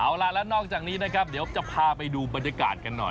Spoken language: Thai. เอาล่ะแล้วนอกจากนี้นะครับเดี๋ยวจะพาไปดูบรรยากาศกันหน่อย